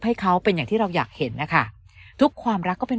ให้เขาเป็นอย่างที่เราอยากเห็นนะคะทุกความรักก็เป็น